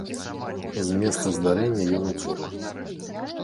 З месца здарэння ён уцёк.